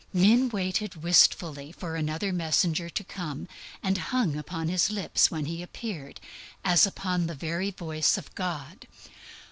Men waited wistfully for another messenger to come, and hung upon his lips when he appeared, as upon the very voice of God.